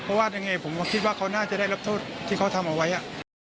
เพราะว่ายังไงผมก็คิดว่าเขาน่าจะได้รับโทษที่เขาทำเอาไว้อ่ะ